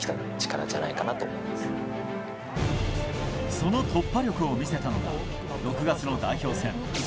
その突破力を見せつけたのが６月の代表戦。